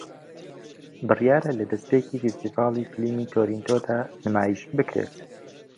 بڕیارە لە دەستپێکی فێستیڤاڵی فیلمی تۆرێنتۆ دا نمایش بکرێت